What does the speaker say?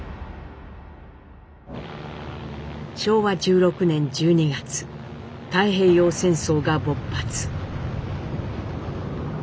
昭和１６年１２月太平洋戦争が勃発。